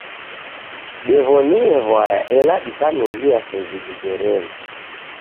Dew'oniee w'aya ela dikanughia seji dizerelo.